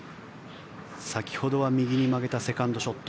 先ほどは右に曲げたセカンドショット。